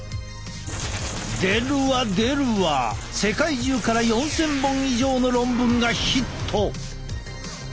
出るわ出るわ世界中から４，０００本以上の論文がヒット！